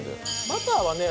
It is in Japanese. バターはね